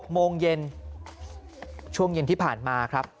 โมงเย็นช่วงเย็นที่ผ่านมาครับ